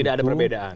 tidak ada perbedaan